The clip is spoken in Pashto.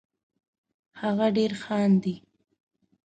هغه ډېر خاندي